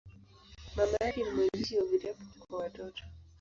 Mama yake ni mwandishi wa vitabu kwa watoto.